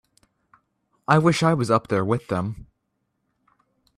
I wish I was up there with them.